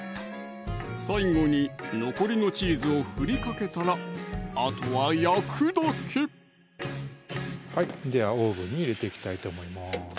最後に残りのチーズを振りかけたらあとは焼くだけではオーブンに入れていきたいと思います